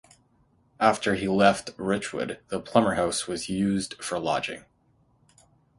After he left Richwood the Plummer house was used for lodging.